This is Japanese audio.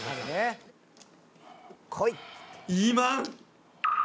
「こい！」